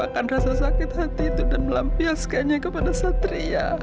kalau mama belum bisa melupakan rasa sakit hati itu dan melampiaskannya kepada satria